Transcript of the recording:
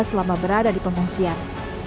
selama berada di pengungsian